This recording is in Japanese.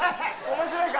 面白いか？